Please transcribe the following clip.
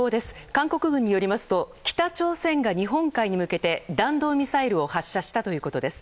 韓国軍によりますと、北朝鮮が日本海に向けて弾道ミサイルを発射したということです。